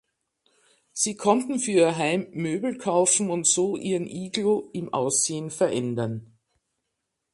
Sie konnten für ihr Heim Möbel kaufen und so ihren Iglu im Aussehen verändern.